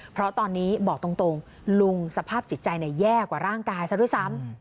เพราะตอนนี้บอกตรงลุงสภาพจิตใจแย่กว่าร่างกายซะด้วยซ้ำ